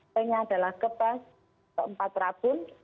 kera nya adalah kebas keempat rapun